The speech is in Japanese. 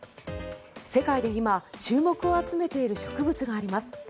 世界で今、注目を集めている植物があります。